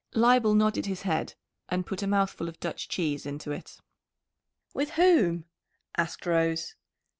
Leibel nodded his head, and put a mouthful of Dutch cheese into it. "With whom?" asked Rose.